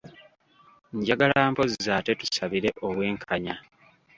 Njagala mpozzi ate tusabire obwenkanya.